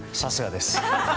さすがです。